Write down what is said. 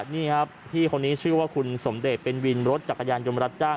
นี่ครับพี่คนนี้ชื่อว่าคุณสมเดชเป็นวินรถจักรยานยนต์รับจ้าง